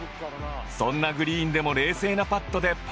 そんなグリーンでも冷静なパットでパーセーブ